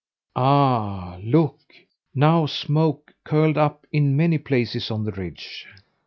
Ah, look! Now smoke curled up in many places on the ridge.